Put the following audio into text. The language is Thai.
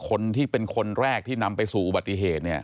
คนที่เป็นคนแรกที่นำไปสู่อุบัติเหตุเนี่ย